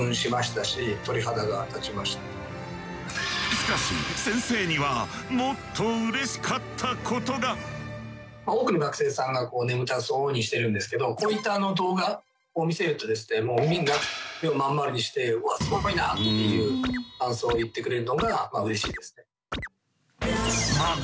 しかし先生には多くの学生さんが眠たそうにしてるんですけどこういった動画を見せるとですねもうみんな目を真ん丸にして「うわスゴいな！」っていう感想を言ってくれるのがうれしいですね。